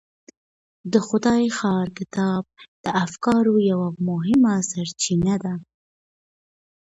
د خدای ښار کتاب د افکارو یوه مهمه سرچینه ده.